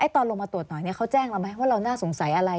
ตอนลงมาตรวจหน่อยเขาแจ้งเราไหมว่าเราน่าสงสัยอะไร